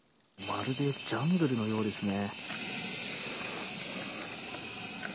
まるでジャングルのようですね。